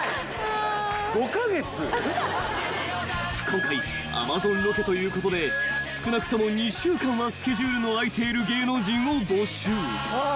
［今回アマゾンロケということで少なくとも２週間はスケジュールの空いている芸能人を募集］